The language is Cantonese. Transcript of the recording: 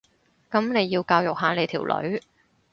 噉你要教育下你條女